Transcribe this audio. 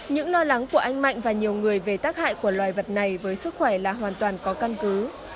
những lo lắng của anh mạnh và nhiều người về tác hại của loài vật này với sức khỏe là hoàn toàn có căn cứ